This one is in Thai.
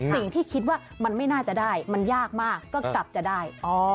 สิ่งที่คิดว่ามันไม่น่าจะได้มันยากมากก็กลับจะได้